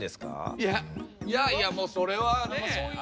いやいやいやもうそれはねえ。